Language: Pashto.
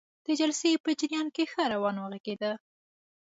د جلسې په جریان کې ښه روان وغږیده.